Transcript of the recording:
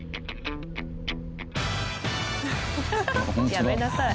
やめなさい。